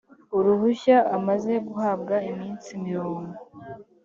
uruhushya amaze guhabwa iminsi mirongo